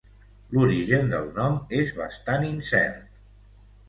L'origen del nom és bastant incert.